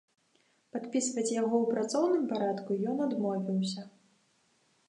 Падпісваць яго ў працоўным парадку ён адмовіўся.